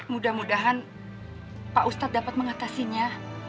mudah mudahan pak ustadz dapat mengatasinya